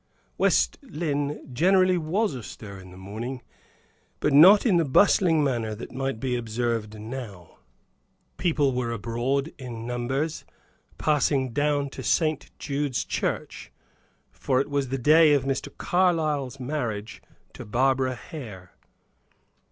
West Lynne generally was astir in the morning, but not in the bustling manner that might be observed now. People were abroad in numbers, passing down to St. Jude's Church, for it was the day of Mr. Carlyle's marriage to Barbara Hare.